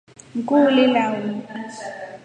Ni kuuli lau.